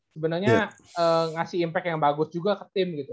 sebenarnya ngasih impact yang bagus juga ke tim gitu